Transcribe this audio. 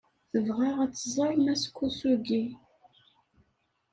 Tebɣa ad tẓer Mass Kosugi.